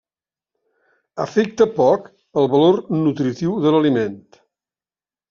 Afecta poc el valor nutritiu de l'aliment.